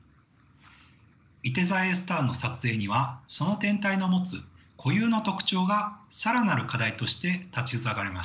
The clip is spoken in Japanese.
いて座Ａスターの撮影にはその天体の持つ固有の特徴が更なる課題として立ち塞がりました。